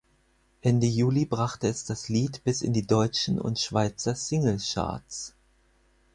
Ende Juli brachte es das Lied bis in die deutschen und Schweizer Singlecharts.